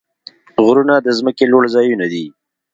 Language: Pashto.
غرونه د ځمکې لوړ ځایونه دي.